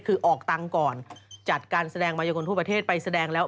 คือออกตังค์ก่อนจัดการแสดงมายกลทั่วประเทศไปแสดงแล้ว